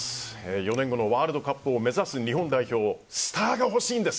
４年後のワールドカップを目指す日本代表、スターが欲しいんです。